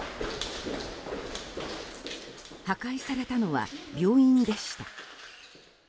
破壊されたのは病院でした。